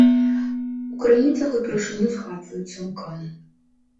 У крыніцах упершыню згадваюцца ў кан.